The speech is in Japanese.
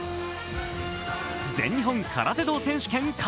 全日本空手道選手権形。